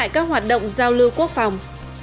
nối lại các hoạt động giao lưu quốc phòng